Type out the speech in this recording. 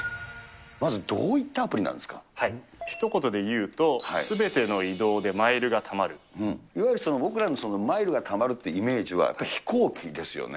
まずどういったアプリなんでひと言で言うと、すべての移いわゆる僕らのマイルがたまるっていうイメージは、やっぱり飛行機ですよね。